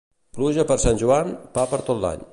Pluja per Sant Joan, pa per tot l'any.